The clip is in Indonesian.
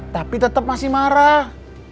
tapi tetep masih marah